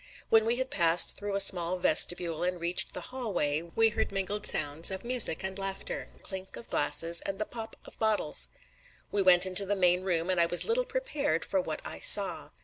When we had passed through a small vestibule and reached the hallway, we heard mingled sounds of music and laughter, the clink of glasses, and the pop of bottles. We went into the main room and I was little prepared for what I saw.